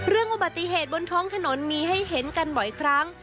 อุบัติเหตุบนท้องถนนมีให้เห็นกันบ่อยครั้ง